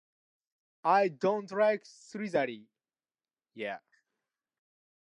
There is absolutely nothing that justifies this violence.